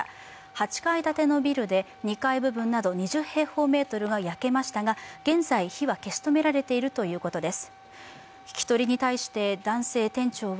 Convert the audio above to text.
８階建てのビルで２階部分など２０平方メートルが焼けましたが現在火は消し止められているということです。